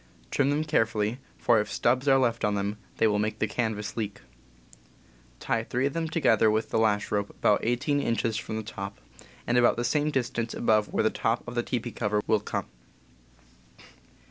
Trim them carefully, for if stubs are left on them they will make the canvas leak. Tie three of them together with the lash rope about eighteen inches from the top, and about the same distance above where the top of the teepee cover will come.